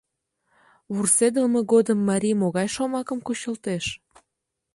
— Вурседылме годым марий могай шомакым кучылтеш?